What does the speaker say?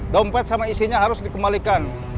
dompet sama isinya harus dikembalikan